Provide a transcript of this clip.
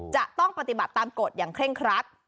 จะต้องปฏิบัติตามกฎอย่างเคร่งครัด